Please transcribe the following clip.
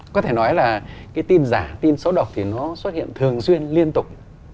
có thể nói là cái tin giả tin xấu độc thì nó xuất hiện thường xuyên liên tục